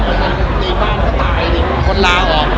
คิดว่าคุณไหม